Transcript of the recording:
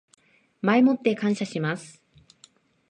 前もって感謝します